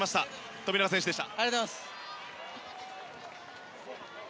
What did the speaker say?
富永選手でした。